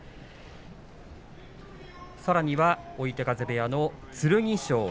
さらには追手風部屋の剣翔